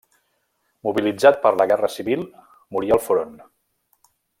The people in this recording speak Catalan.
Mobilitzat per la guerra civil, morí al front.